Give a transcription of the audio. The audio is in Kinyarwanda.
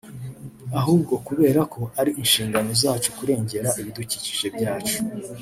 ahubwo kubera ko ari inshingano zacu kurengera ibidukikije byacu